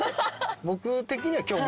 僕的には今日。